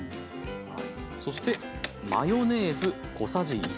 そしてマヨネーズ小さじ１。